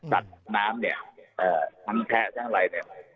สัดน้ำเนี่ยทั้งแพร่ทั้งไรเนี่ย